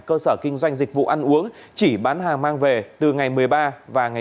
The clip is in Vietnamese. cơ sở kinh doanh dịch vụ ăn uống chỉ bán hàng mang về từ ngày một mươi ba và ngày một mươi chín một mươi hai